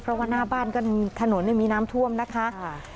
เพราะว่าหน้าบ้านก็ถนนมีน้ำท่วมนะคะ